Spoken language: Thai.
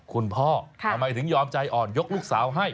ทำไมถึงยอมใจอ่อนยกลูกสาวให้